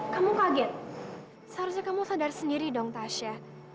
kamu kaget seharusnya kamu sadar sendiri dong tasha